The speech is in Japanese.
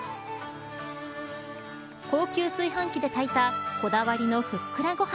高級炊飯器で炊いたこだわりのふっくらご飯。